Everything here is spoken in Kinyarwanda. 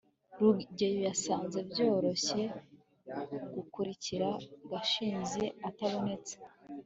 rugeyo yasanze byoroshye gukurikira gashinzi atabonetse